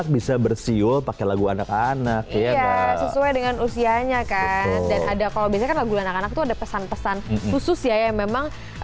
bisa bersiul pakai lagu anak anak sesuai dengan usianya kan ada pesan pesan khusus ya memang